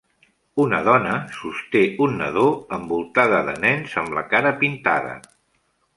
Una dona sosté un bebè envoltada de nens amb la cara pintada.